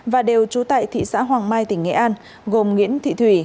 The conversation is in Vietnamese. và đều trú tại thị xã hoàng mai tỉnh nghệ an gồm nguyễn thị thủy